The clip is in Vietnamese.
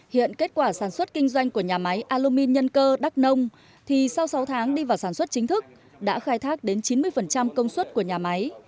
hiện kết quả sản xuất kinh doanh của nhà máy alumin nhân cơ đắk nông thì sau sáu tháng đi vào sản xuất chính thức đã khai thác đến chín mươi công suất của nhà máy